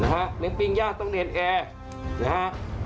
เหียกปริงแย่งต้องเชากานและ